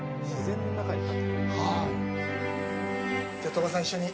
鳥羽さん、一緒に。